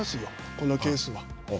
こんなケースは。